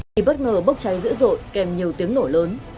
thì bất ngờ bốc cháy dữ dội kèm nhiều tiếng nổ lớn